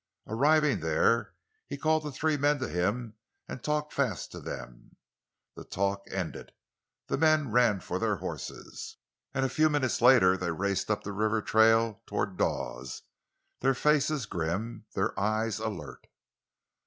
Arriving there, he called the three men to him and talked fast to them. The talk ended, the men ran for their horses, and a few minutes later they raced up the river trail toward Dawes, their faces grim, their eyes alert.